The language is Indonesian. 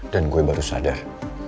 dan gue baru sadar